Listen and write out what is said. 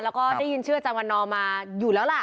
แล้วก็ได้ยินชื่ออาจารย์วันนอร์มาอยู่แล้วล่ะ